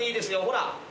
ほら。